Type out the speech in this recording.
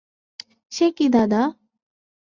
সে কি দাদা!